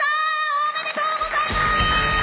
おめでとうございます！